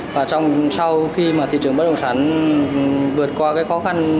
và sau khi mà thị trường bất động sản vượt qua cái khó khăn